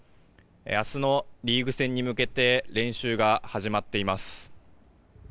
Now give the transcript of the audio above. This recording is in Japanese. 明日のリーグ戦に向けて練習が始まっています。